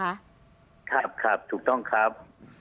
ครับถูกต้องครับ